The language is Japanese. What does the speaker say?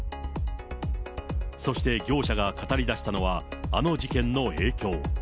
そして業者が語りだしたのは、あの事件の影響。